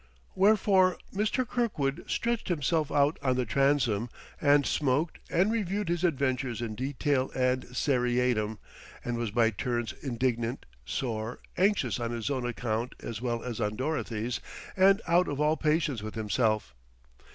Wherefore Mr. Kirkwood stretched himself out on the transom and smoked and reviewed his adventures in detail and seriatim, and was by turns indignant, sore, anxious on his own account as well as on Dorothy's, and out of all patience with himself.